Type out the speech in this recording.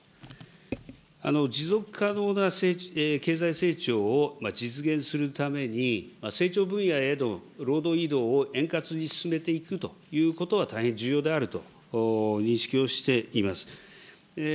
持続可能な経済成長を実現するために、成長分野への労働移動を円滑に進めていくということは大変重要であると認識をしています。